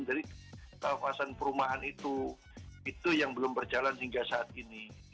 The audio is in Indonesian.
jadi kelepasan perumahan itu itu yang belum berjalan hingga saat ini